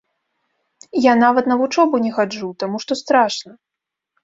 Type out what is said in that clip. Я нават на вучобу не хаджу, таму што страшна.